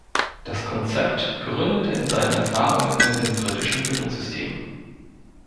Das Konzept gründete in seinen Erfahrungen mit dem britischen Bildungssystem.